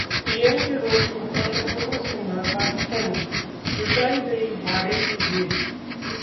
PM के road show पर शत्रुघ्न सिन्हा का तंज- जुटाई गई भाड़े की भीड़